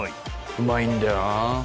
うまいんだよな。